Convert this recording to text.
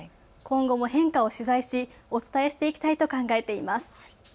今後も変化を取材しお伝えしていきたいと考えています。